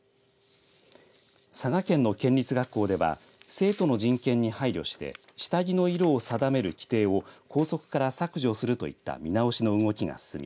佐賀県の県立学校では生徒の人権に配慮して下着の色を定める規定を校則から削除するといった見直しの動きが進み